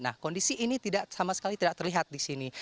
nah kondisi ini sama sekali tidak terlihat disini